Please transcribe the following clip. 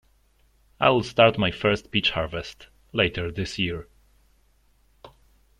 I'll start my first peach harvest later this year.